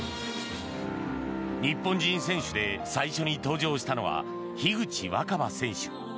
日本人選手で最初に登場したのは樋口新葉選手。